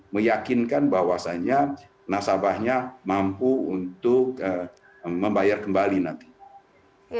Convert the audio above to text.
meyakinkan bahwasannya nasabahnya mampu untuk membayar kembali nanti